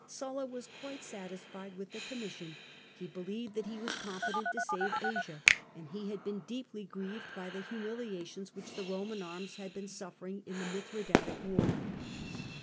Sulla was quite satisfied with the commission ; he believedi that he was competent to save Asin.^ and he had been deeply grieved by the humiliation which the Roman arms had been suffering in the Mithra datic war.